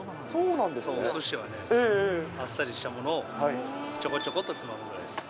おすしはね、あっさりしたものをちょこちょこっとつまむぐらいですね。